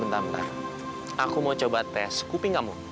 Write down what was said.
bentar ntar aku mau coba tes kuping kamu